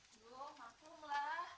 belum maklum lah